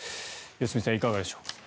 良純さん、いかがでしょう。